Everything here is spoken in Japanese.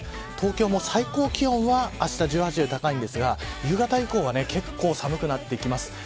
東京も最高気温は１８度と高いんですが、夕方以降は結構寒くなってきます。